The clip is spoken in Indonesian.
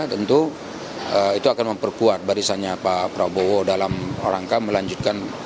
tentu itu akan memperkuat barisannya pak prabowo dalam rangka melanjutkan